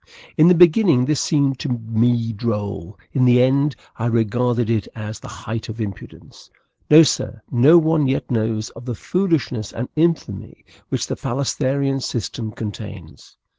In the beginning, this seemed to me droll; in the end, I regarded it as the height of impudence. No, sir; no one yet knows of the foolishness and infamy which the phalansterian system contains.